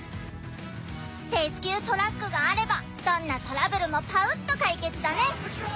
レスキュートラックがあればどんなトラブルもパウっと解決だね